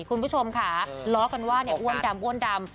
คุณผู้ชมค่ะล้อกันว่าเนี่ยอ้วนดำอ้วนดำ